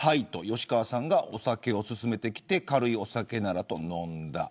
吉川さんがお酒を勧めてきて軽いお酒ならと飲んだ。